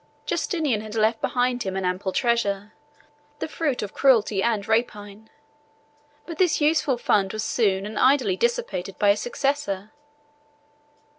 Justinian had left behind him an ample treasure, the fruit of cruelty and rapine: but this useful fund was soon and idly dissipated by his successor.